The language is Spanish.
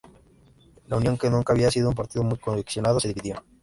La Unión, que nunca había sido un partido muy cohesionado, se dividió.